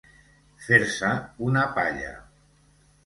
Fer-se una palla.